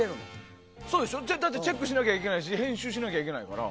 だってチェックしなきゃいけないし編集しなきゃいけないから。